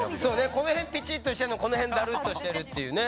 この辺ピチッとしてるのにこの辺ダルッとしてるっていうね。